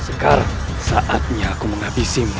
sekarang saatnya aku menghabisi mimpiku